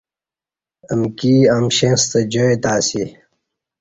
امکی امشیں ستہ جائی تہ اسی